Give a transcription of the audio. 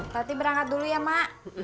berarti berangkat dulu ya mak